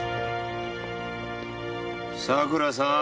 佐倉さーん。